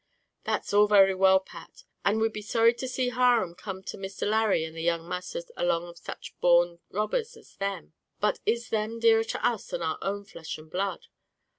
"That's all very well, Pat, and we'd be sorry to see harum come to Mr. Larry and the young masther along of such born robbers as them; but is them dearer to us than our own flesh and blood?